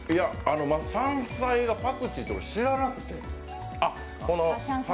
香菜がパクチーって知らなくて。